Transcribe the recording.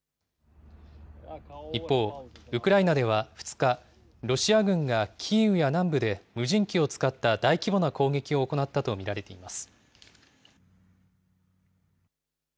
一方、ウクライナでは２日、ロシア軍がキーウや南部で無人機を使った大規模な攻撃を行ったと見られています。